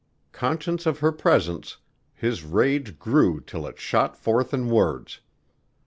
Conscious of her presence, his rage grew till it shot forth in words.